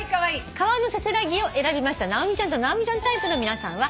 「川のせせらぎ」を選びました直美ちゃんと直美ちゃんタイプの皆さんは。